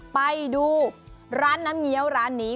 ไปดูร้านน้ำเงี้ยวร้านนี้